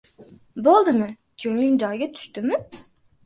Bo‘ldimi? Ko‘ngling joyiga tushdimi?